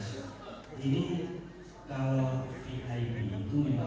silahkan sebab bentuk ini